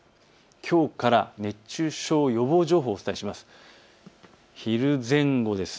きょうから熱中症予防情報をお伝えします。